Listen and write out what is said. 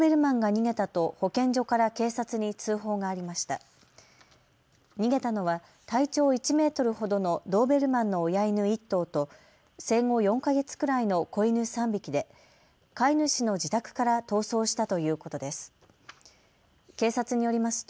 逃げたのは体長１メートルほどのドーベルマンの親犬１頭と生後４か月くらいの子犬３匹で飼い主の自宅から逃走したということです。